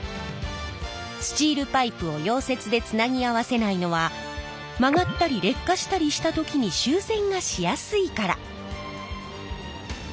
スチールパイプを溶接でつなぎ合わせないのは曲がったり劣化したりした時に修繕がしやすいから。